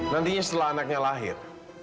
nantinya setelah anaknya lahir